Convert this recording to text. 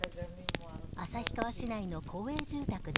旭川市内の公営住宅です。